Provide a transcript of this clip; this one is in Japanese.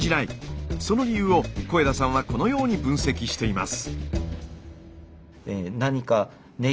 その理由を肥田さんはこのように分析しています。